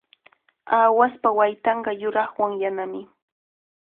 Aawaspa waytanqa yuraqwan yanami.